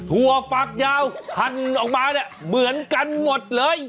ถั่วฝักยาวหั่นออกมาเนี่ยเหมือนกันหมดเลย